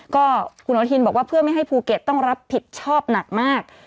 ก็คุณอนุทินบอกว่าเพื่อไม่ให้ภูเก็ตต้องรับผิดชอบหนักมาก